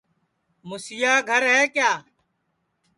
موسیا گھر ہے کیا